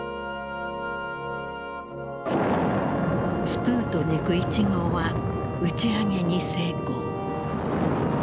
スプートニク１号は打ち上げに成功。